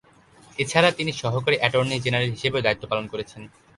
এছাড়া, তিনি সহকারী অ্যাটর্নি জেনারেল হিসেবেও দায়িত্ব পালন করেছেন।